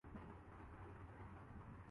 آپ کون سی دوا استعمال کر رہے ہیں؟